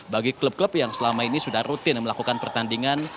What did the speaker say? bagi klub klub yang selama ini sudah rutin melakukan pertandingan